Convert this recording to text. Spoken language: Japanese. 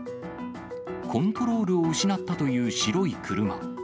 コントロールを失ったという白い車。